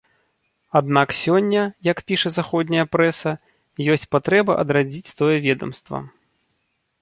Аднак сёння, як піша заходняя прэса, ёсць патрэба адрадзіць тое ведамства.